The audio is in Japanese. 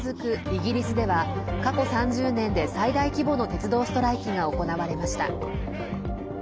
イギリスでは過去３０年で最大規模の鉄道ストライキが行われました。